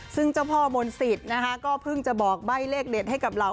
ซึ่งเจ้าพ่อมนต์สิทธิ์นะคะก็เพิ่งจะบอกใบ้เลขเด็ดให้กับเหล่า